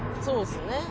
そうっすね